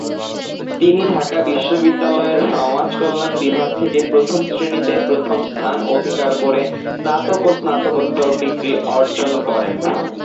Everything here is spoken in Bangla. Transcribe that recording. তিনি ঢাকা বিশ্ববিদ্যালয়ের সমাজকল্যাণ বিভাগ থেকে প্রথম শ্রেণীতে প্রথম স্থান অধিকার করে স্নাতক ও স্নাতকোত্তর ডিগ্রি অর্জন করেন।